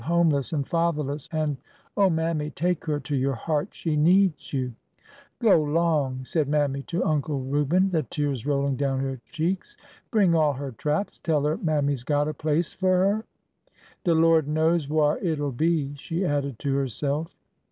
— homeless and fatherless, and — oh. Mammy ! take her to your heart ! She needs you !" Go 'long !" said Mammy to Uncle Reuben, the tears rolling down her cheeks. Bring all 'er traps. Tell 'er Mammy 's got a place fur 'er." (" De Lord knows whar it'll be!" she added to herself.)